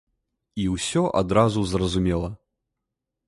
І ўсё адразу зразумела.